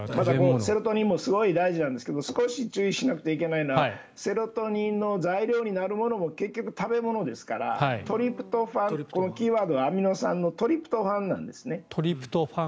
セロトニンもすごい大事なんですが少し注意しないといけないのはセロトニンの材料になるものも結局食べ物ですからこのキーワードがアミノ酸のトリプトファンなんですね。